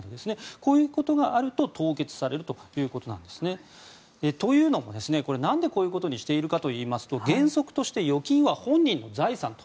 こういうことがあると凍結されるということなんですね。というのも、なんでこういうことにしているかといいますと原則として預金は本人の財産と。